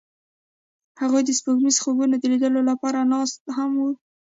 هغوی د سپوږمیز خوبونو د لیدلو لپاره ناست هم وو.